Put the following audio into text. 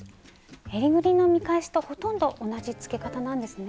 えりぐりの見返しとほとんど同じつけ方なんですね。